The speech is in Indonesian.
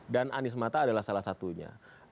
dan anies mata adalah salah satunya